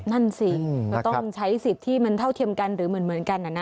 นั่นสิก็ต้องใช้สิทธิ์ที่มันเท่าเทียมกันหรือเหมือนกันนะ